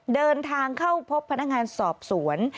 เดินทางเข้าพบพนักงานสอบสวน